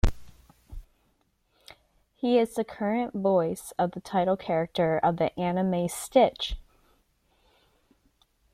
He is the current voice of the title character of the anime Stitch!